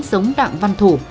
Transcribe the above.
giống đặng văn thủ